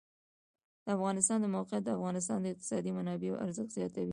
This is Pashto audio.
د افغانستان د موقعیت د افغانستان د اقتصادي منابعو ارزښت زیاتوي.